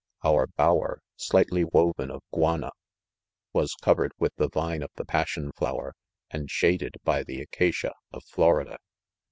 Our bower, slightly woven of guana, was covered with the vine of the passion flower,' and shaded by the acacia of Florida.